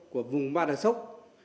của vùng ba đà sốc